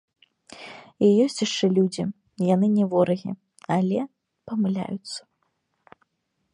І ёсць яшчэ людзі, яны не ворагі, але памыляюцца.